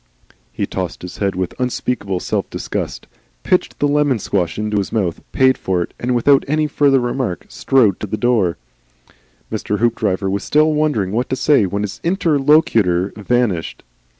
He tossed his head with unspeakable self disgust, pitched the lemon squash into his mouth, paid for it, and without any further remark strode to the door. Mr. Hoopdriver was still wondering what to say when his interlocutor vanished.